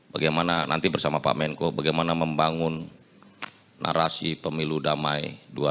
bagaimana nanti bersama pak menko bagaimana membangun narasi pemilu damai dua ribu dua puluh